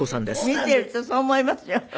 見ているとそう思いますよ。